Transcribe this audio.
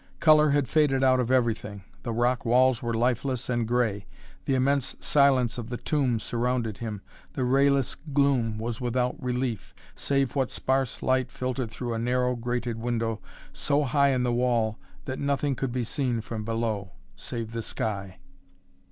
Color had faded out of everything. The rock walls were lifeless and grey. The immense silence of the tomb surrounded him. The rayless gloom was without relief, save what sparse light filtered through a narrow grated window so high in the wall that nothing could be seen from below, save the sky.